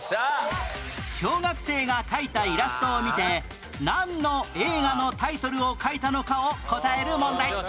小学生が描いたイラストを見てなんの映画のタイトルを描いたのかを答える問題